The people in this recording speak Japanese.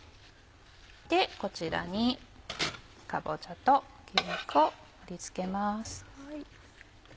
でこちらにかぼちゃと牛肉を盛り付けます。